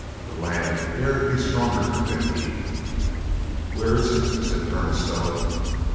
The lad dared be stronger than he. "Where is it?" said Colonel Stow.